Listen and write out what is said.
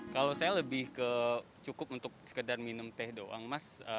kalau saya lebih ke cukup untuk sekedar minum teh doang mas